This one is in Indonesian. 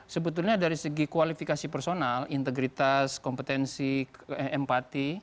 sebetulnya dari segi kualifikasi personal integritas kompetensi empati